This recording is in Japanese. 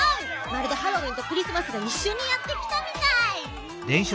まるでハロウィーンとクリスマスがいっしょにやってきたみたい。